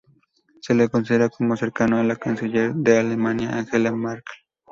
Se le considera como cercano a la Canciller de Alemania Angela Merkel.